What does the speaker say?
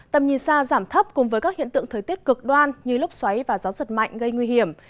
tầm nhìn xa giảm thấp cùng với các hiện tượng thời tiết cực đoan như lúc xoáy và gió giật mạnh gây nguy hiểm